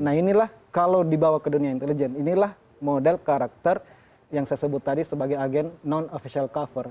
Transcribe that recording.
nah inilah kalau dibawa ke dunia intelijen inilah model karakter yang saya sebut tadi sebagai agen non official cover